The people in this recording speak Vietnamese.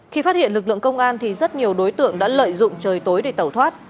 khi phát hiện lực lượng công an thì rất nhiều đối tượng đã lợi dụng trời tối để tẩu thoát